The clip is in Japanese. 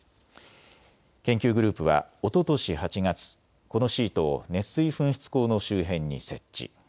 研究グループはおととし８月、このシートを熱水噴出孔の周辺に設置。